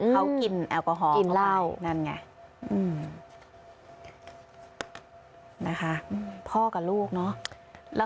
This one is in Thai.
เค้ากินแอลกอฮอล์เข้าไปนั่นไงนะคะพ่อกับลูกเนาะ